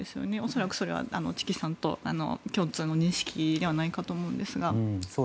恐らくチキさんと共通の認識ではないかと思うんですが。